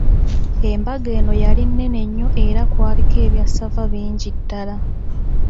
Embaga eno yali nnene nnyo era kwaliko ebya ssava bingi ddala.